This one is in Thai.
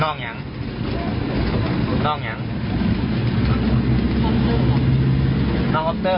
นอกอย่างนอกอย่างนอกอัพเตอร์